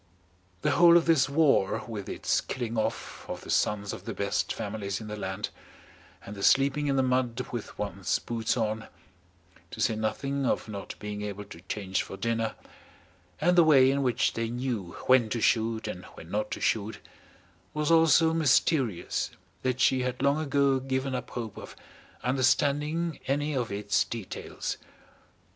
The whole of this war, with its killing off of the sons of the best families in the land, and the sleeping in the mud with one's boots on, to say nothing of not being able to change for dinner, and the way in which they knew when to shoot and when not to shoot, was all so mysterious that she had long ago given up hope of understanding any of its details.